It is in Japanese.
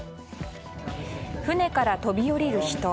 船から飛び降りる人。